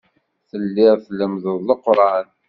Telliḍ tlemmdeḍ Leqran.